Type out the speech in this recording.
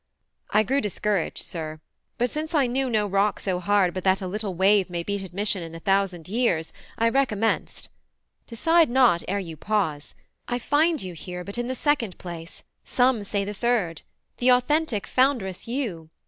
I grew discouraged, Sir; but since I knew No rock so hard but that a little wave May beat admission in a thousand years, I recommenced; "Decide not ere you pause. I find you here but in the second place, Some say the third the authentic foundress you.